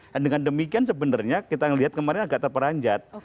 dan dengan demikian sebenarnya kita yang lihat kemarin agak terperanjat